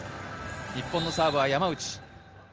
日本のサーブは山内。